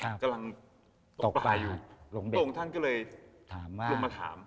กำลังตกปลาอยู่โรงท่านก็เลยมาถาม